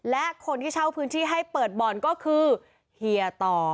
และคนที่เช่าพื้นที่ให้เปิดบ่อนก็คือเฮียต่อ